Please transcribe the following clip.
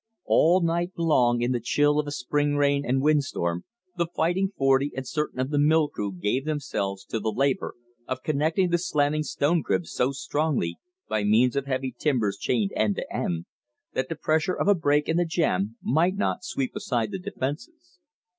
All night long in the chill of a spring rain and windstorm the Fighting Forty and certain of the mill crew gave themselves to the labor of connecting the slanting stone cribs so strongly, by means of heavy timbers chained end to end, that the pressure of a break in the jam might not sweep aside the defenses.